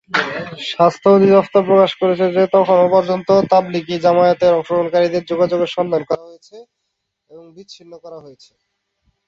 স্বাস্থ্য অধিদফতর প্রকাশ করেছে যে তখনও পর্যন্ত তাবলিগী জামায়াতের অংশগ্রহণকারীদের যোগাযোগের সন্ধান করা হয়েছে এবং বিচ্ছিন্ন করা হয়েছে।